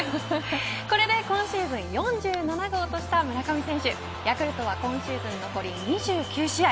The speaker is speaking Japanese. これで今シーズン４７号とした村上選手ヤクルトは今シーズン残り２９試合。